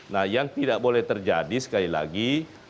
nah yang tidak boleh terjadi sekali lagi